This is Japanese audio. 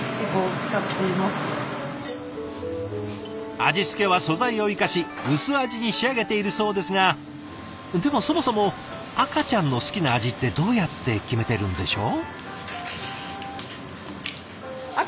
味付けは素材を生かし薄味に仕上げているそうですがでもそもそも赤ちゃんの好きな味ってどうやって決めてるんでしょう？